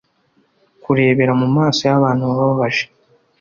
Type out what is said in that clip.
Kurebera mumaso yabantu wababaje